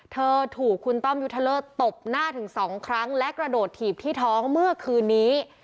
เธอถูกคุณต้อมยุทธเลิศตบหน้าถึงสองครั้งและกระโดดถีบที่ท้องเมื่อคืนนี้